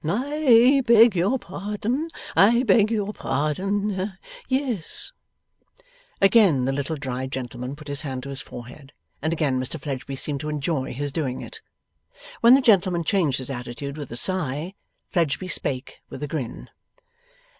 'I beg your pardon. I beg your pardon. Yes.' Again the little dried gentleman put his hand to his forehead, and again Mr Fledgeby seemed to enjoy his doing it. When the gentleman changed his attitude with a sigh, Fledgeby spake with a grin.